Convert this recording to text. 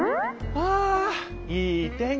あいい天気！